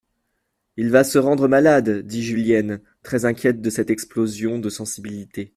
Il va se rendre malade ! dit Julienne, très inquiète de cette explosion de sensibilité.